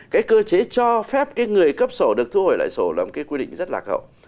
cái cơ chế cho phép cái người cấp sổ được thu hồi lại sổ là một cái quy định rất lạc hậu